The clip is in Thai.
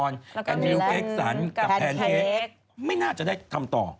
แล้วก็มีแหละแพล็กแพมน่ดจะได้ทำต่อ